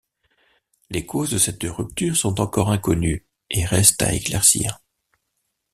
Les causes de cette rupture sont encore inconnues et restent à éclaircir.